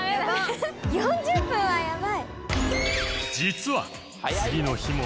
４０分はやばい！